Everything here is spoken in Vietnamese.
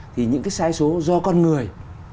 thì những cái sai số do con người